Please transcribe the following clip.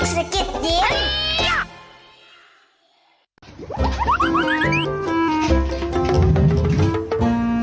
ศักดิ์เยี่ยม